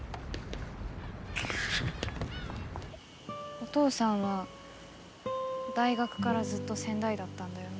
お父さんは大学からずっと仙台だったんだよね？